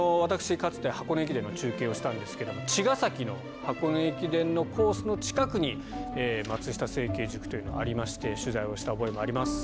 かつて箱根駅伝の中継をしたんですけども茅ヶ崎の箱根駅伝のコースの近くに松下政経塾というのがありまして取材をした覚えもあります。